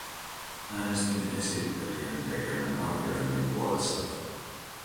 Äänestin esittelijän tekemän arvioinnin puolesta.